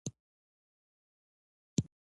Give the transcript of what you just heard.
مېلې د ټولني د خوښیو او خندا جشنونه دي.